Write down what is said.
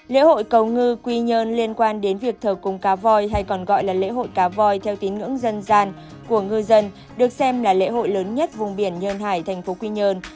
lễ hội cầu ngư quy nhơn liên quan đến việc thờ cúng cá voi hay còn gọi là lễ hội cá voi theo tín ngưỡng dân gian của ngư dân được xem là lễ hội lớn nhất vùng biển nhơn hải thành phố quy nhơn